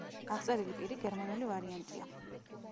აღწერილი პირი გერმანული ვარიანტია.